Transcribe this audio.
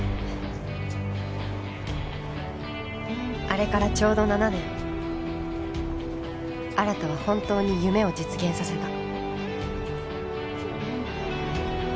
あれからちょうど７年新は本当に夢を実現させた